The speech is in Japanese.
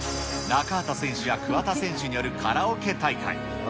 中畑選手や桑田選手によるカラオケ大会。